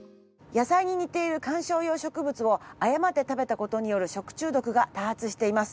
野菜に似ている観賞用植物を誤って食べた事による食中毒が多発しています。